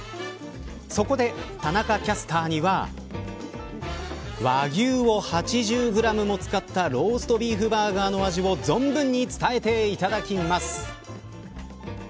そこで田中キャスターには和牛を８０グラムも使ったローストビーフバーガーの味を存分に伝えていただきます。